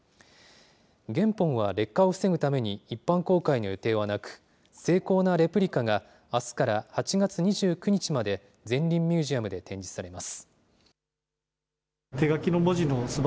原本は劣化を防ぐために一般公開の予定はなく、精巧なレプリカがあすから８月２９日まで、ゼンリンミュージアムで展示されます。